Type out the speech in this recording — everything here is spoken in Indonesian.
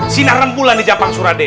sinaran bulan di jampang surat de